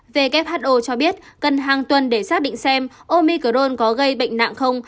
who cho biết cần hàng tuần để xác định xem omicrone có gây bệnh nặng không